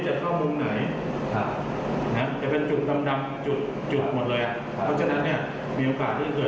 จะเป็นจุดต่างจุดจุดจุดหมดแล้ว